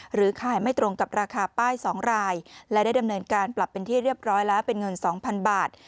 หรือขายไม่ตรงกับราคาป้าย๒รายและได้ดำเนินการปรับเป็นที่เรียบร้อยแล้วเป็นเงิน๒๐๐๐บาท